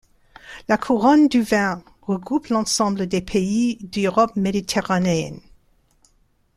La couronne du vin regroupe l'ensemble des pays d'Europe méditerranéens.